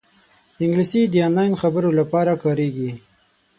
انګلیسي د آنلاین خبرو لپاره کارېږي